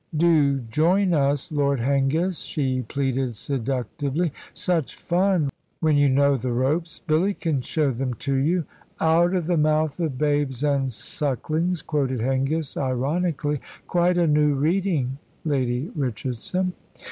"Do join us, Lord Hengist," she pleaded seductively. "Such fun, when you know the ropes. Billy can show them to you." "Out of the mouth of babes and sucklings," quoted Hengist, ironically. "Quite a new reading, Lady Richardson."